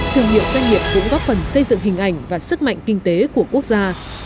thương hiệu doanh nghiệp cũng góp phần xây dựng hình ảnh và sức mạnh kinh tế của quốc gia